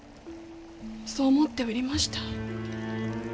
そう思って売りました。